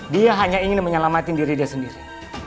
dia hanya ingin menyelamatkan diri dia sendiri